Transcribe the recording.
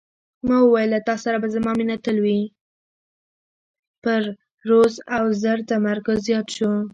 پر زور او زر تمرکز زیات شو.